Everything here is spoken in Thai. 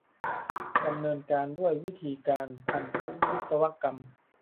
ดำเนินการด้วยวิธีการพันธุวิศวกรรม